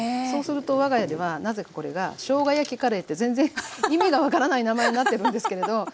そうすると我が家ではなぜかこれが「しょうが焼きカレー」って全然意味が分からない名前になってるんですけれど。